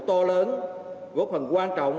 to lớn góp phần quan trọng